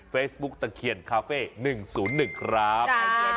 เฟซบุ๊กตะเคียนคาเฟ่๑๐๑ครับ